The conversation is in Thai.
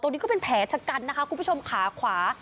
นี้ก็เป็นแผลชะกันนะคะคุณผู้ชมขาขวา